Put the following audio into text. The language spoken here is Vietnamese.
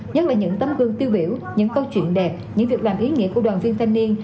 nhất là những tấm gương tiêu biểu những câu chuyện đẹp những việc làm ý nghĩa của đoàn viên thanh niên